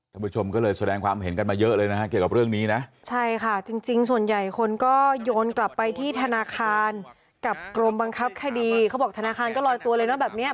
ท่านผู้ชมก็เลยแสดงความเห็นกันมาเยอะเลยนะฮะเกี่ยวกับเรื่องนี้นะใช่ค่ะจริงจริงส่วนใหญ่คนก็โยนกลับไปที่ธนาคารกับกรมบังคับคดีเขาบอกธนาคารก็ลอยตัวเลยนะแบบเนี้ย